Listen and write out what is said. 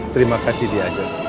terima kasih di ajak